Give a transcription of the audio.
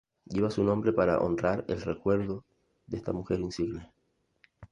Lleva su nombre para honrar el recuerdo de esta mujer insigne.